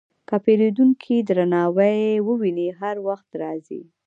که پیرودونکی درناوی وویني، هر وخت راځي.